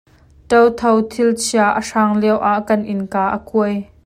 Ṭotho thilchia a hrang lio ah kan innka a kuai.